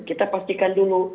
kita pastikan dulu